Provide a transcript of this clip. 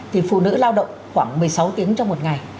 thì phụ nữ lao động khoảng một mươi sáu tiếng trong một ngày